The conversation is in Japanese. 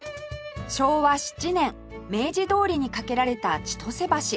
昭和７年明治通りに架けられた千登世橋